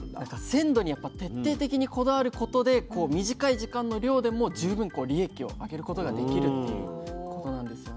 鮮度に徹底的にこだわることでこう短い時間の漁でも十分利益を上げることができるっていうことなんですよね。